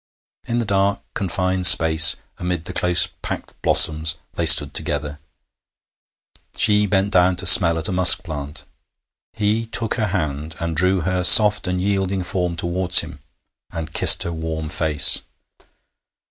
In the dark, confined space, amid the close packed blossoms, they stood together. She bent down to smell at a musk plant. He took her hand and drew her soft and yielding form towards him and kissed her warm face.